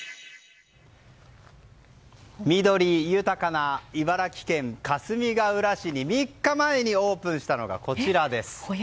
緑豊かな茨城県かすみがうら市に３日前にオープンしたのがこちらです。